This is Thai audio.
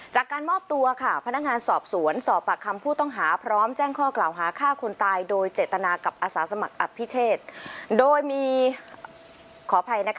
จากการมอบตัวค่ะพนักงานสอบสวนสอบปากคำผู้ต้องหาพร้อมแจ้งข้อกล่าวหาฆ่าคนตายโดยเจตนากับอาสาสมัครอภิเชษโดยมีขออภัยนะคะ